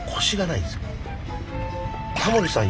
タモリさん